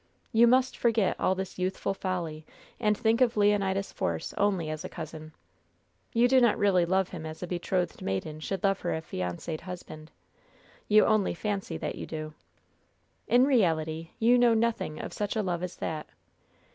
You must forget all this youthful folly, and think of Leonidas Force only as a cousin. You do not really love him as a betrothed maiden should love her affianced husband. You only fancy that you do. In reality you know nothing of such a love as that.